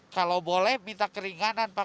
kalau boleh minta keringanan pak